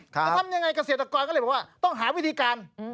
แต่ทำอย่างไรกับเศรษฐกรก็เลยบอกว่าต้องหาวิธีการ